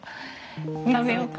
食べようか？